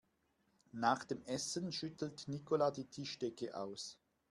Nach dem Essen schüttelt Nicola die Tischdecke aus.